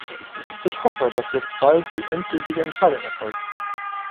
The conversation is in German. Ich hoffe, dass jetzt bald die endgültige Entscheidung erfolgt.